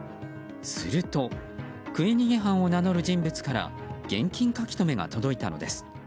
すると食い逃げ犯を名乗る人物から現金書留が届いたのです。